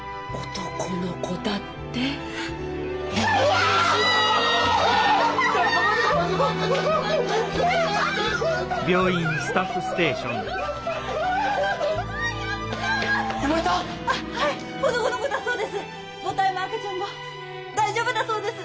男の子だそうです。